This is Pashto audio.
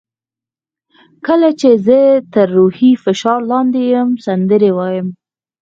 کله چې زه تر روحي فشار لاندې یم سندرې وایم.